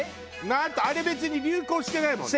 あとあれ別に流行してないもんね。